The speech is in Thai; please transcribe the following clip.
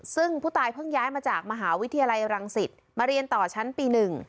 ซึ่งผู้ตายเพิ่งย้ายมาจากมหาวิทยาลัยรังสิตมาเรียนต่อชั้นปี๑